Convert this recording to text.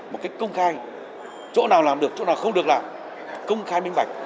một cách công khai chỗ nào làm được chỗ nào không được làm công khai minh bạch